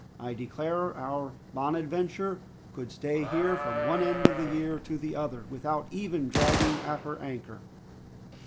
I declare our 'Bonadventure' could stay here from one end of the year to the other, without even dragging at her anchor!"